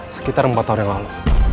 sekitar empat tahun yang lalu